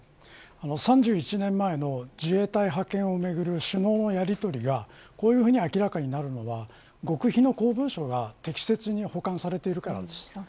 ３１年前の自衛隊派遣をめぐる首脳のやりとりがこういうふうに明らかになるのは極秘の公文書が適切に保管されているからです。